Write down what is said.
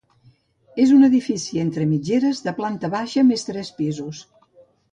És un edifici entre mitgeres de planta baixa més tres pisos.